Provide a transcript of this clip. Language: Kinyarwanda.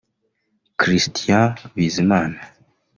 Christian Bizimana